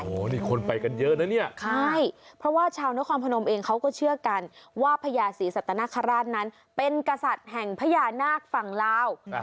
โอ้โหนี่คนไปกันเยอะนะเนี่ยใช่เพราะว่าชาวนครพนมเองเขาก็เชื่อกันว่าพญาศรีสัตนคราชนั้นเป็นกษัตริย์แห่งพญานาคฝั่งลาว